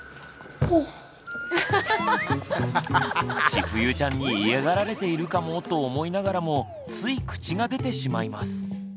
ちふゆちゃんに嫌がられているかも？と思いながらもつい口が出てしまいます。